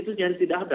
itu nyaris tidak ada